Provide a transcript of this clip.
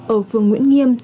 ở phường nguyễn nghiêm